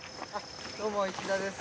どうも石田です。